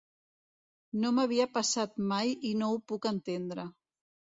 No m'havia passat mai i no ho puc entendre.